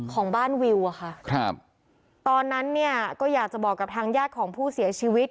ของบ้านวิวอะค่ะครับตอนนั้นเนี่ยก็อยากจะบอกกับทางญาติของผู้เสียชีวิต